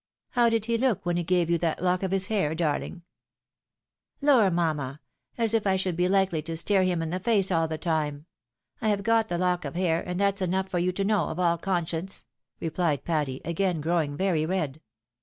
How did he look when he gave you that lock of his hair, darhng ?"" Lord, mamma ! As if I should be hkely to stare him in the face all the time ! I have got the look of hair, and that's enough for you to know, of aU conscience," replied Patty, again growing very red.